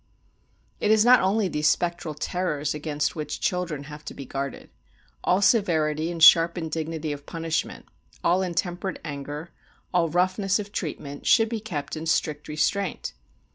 It is not only these spectral terrors against which children have to be guarded. All severity and sharp indignity of punishment, all intemperate anger, all roughness of treatment, should be kept in strict restraint.